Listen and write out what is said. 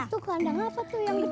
itu kandang apa tuh yang bisa